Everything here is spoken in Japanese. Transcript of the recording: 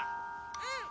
うん！